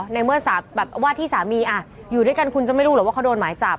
ในเมื่อว่าที่สามีอยู่ด้วยกันคุณจะไม่รู้หรอกว่าเขาโดนหมายจับ